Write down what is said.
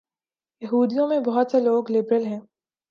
یہودیوں میں بہت سے لوگ لبرل ہیں۔